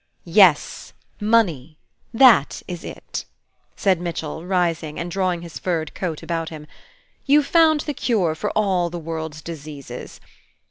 "Yes, money, that is it," said Mitchell, rising, and drawing his furred coat about him. "You've found the cure for all the world's diseases.